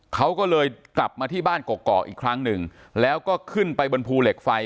เขาก็เลยกลับมาที่บ้านกอกอีกครั้งหนึ่งแล้วก็ขึ้นไปบนภูเหล็กไฟ